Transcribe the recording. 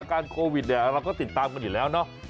การโควิดเนี่ยเราก็ติดตามกันอยู่แล้วเนาะ